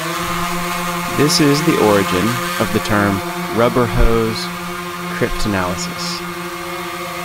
This is the origin of the term Rubber-hose cryptanalysis.